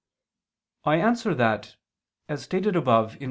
I answer that, As stated above (Q.